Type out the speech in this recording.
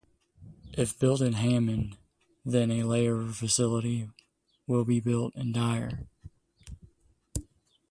If built in Hammond, then a layover facility will be built in Dyer.